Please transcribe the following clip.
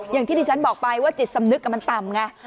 อย่างที่ดิฉันบอกไปว่าจิตสำนึกมันต่ำไง